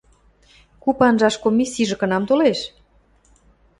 — Куп анжаш комиссижӹ кынам толеш?